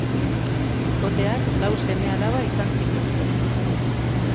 Bikoteak lau seme-alaba izan zituzten.